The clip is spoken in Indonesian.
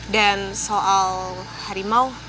dan soal harimau